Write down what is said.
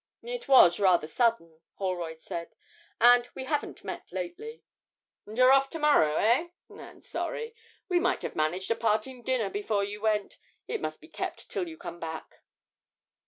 'It was rather sudden,' Holroyd said, 'and we haven't met lately.' 'And you're off to morrow, eh? I'm sorry. We might have managed a parting dinner before you went it must be kept till you come back.'